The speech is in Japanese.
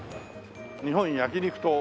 「日本焼肉党」